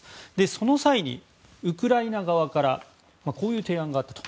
その際にウクライナ側からこういう提案があったと。